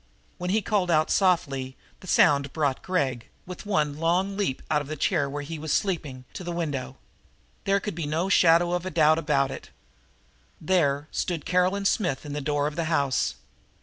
When he called out softly, the sound brought Gregg, with one long leap out of the chair where he was sleeping, to the window. There could be no shadow of a doubt about it. There stood Caroline Smith in the door of the house!